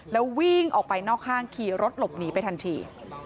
แล้ววิ่งออกไปนอกห้างขี่รถหลบหนีไปทันที